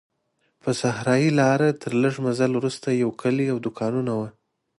پر صحرایي لاره تر لږ مزل وروسته یو کلی او دوکانونه وو.